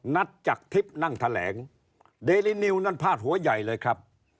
จากทิพย์นั่งแถลงเดรินิวนั่นพาดหัวใหญ่เลยครับ